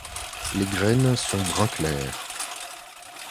Les graines sont brun clair.